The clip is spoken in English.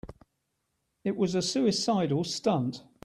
It was a suicidal stunt.